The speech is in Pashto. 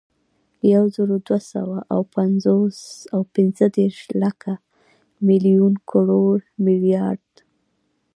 یوزرودوهسوه اوپنځهدېرش، لک، ملیون، کروړ، ملیارد